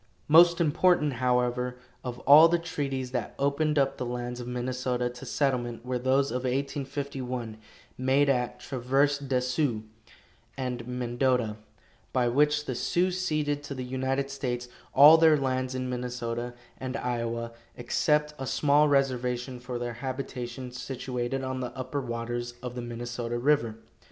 Most important, however, of all the treaties that opened up the lands of Minnesota to settlement were those of 1851, made at Traverse des Sioux and Mendota, by which the Sioux ceded to the United States all their lands in Minnesota and Iowa, except a small reservation for their habitation, situated on the upper waters of the Minnesota river.